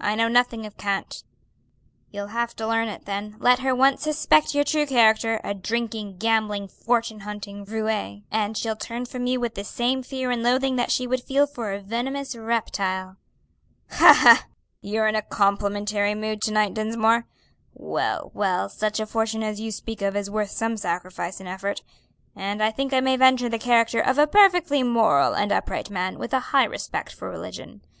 I know nothing of cant." "You'll have to learn it then; let her once suspect your true character a drinking, gambling, fortune hunting roué and she'll turn from you with the same fear and loathing that she would feel for a venomous reptile." "Ha, ha! you're in a complimentary mood to night, Dinsmore. Well, well, such a fortune as you speak of is worth some sacrifice and effort, and I think I may venture the character of a perfectly moral and upright man with a high respect for religion.